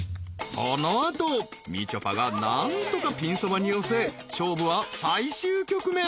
［この後みちょぱが何とかピンそばに寄せ勝負は最終局面］